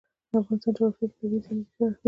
د افغانستان جغرافیه کې طبیعي زیرمې ستر اهمیت لري.